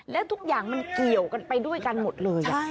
และทุกอย่างมันเกี่ยวกันไปด้วยกันหมดเลย